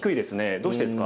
どうしてですか？